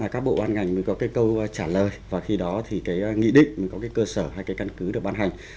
các bộ ban ngành mới có cái câu trả lời và khi đó thì cái nghị định mới có cái cơ sở hay cái căn cứ được ban hành